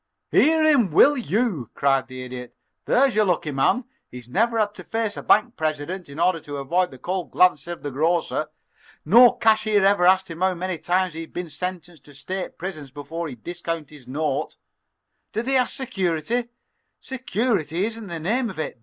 "Hear him, will you!" cried the Idiot. "There's your lucky man. He's never had to face a bank president in order to avoid the cold glances of the grocer. No cashier ever asked him how many times he had been sentenced to states prison before he'd discount his note. Do they ask security? Security isn't the name for it.